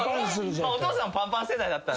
お父さんパンパン世代だった。